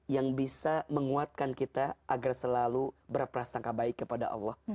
yang bisa menguatkan kita agar selalu berprasangka baik kepada allah